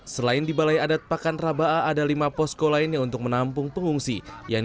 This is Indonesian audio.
selain di balai adat pakan raba'ah ada lima posko lainnya untuk menampung pengungsi yang